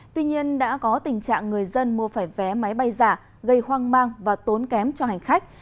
tuy nhiên đã có tình trạng người dân mua phải vé máy bay giả gây hoang mang và tốn kém cho hành khách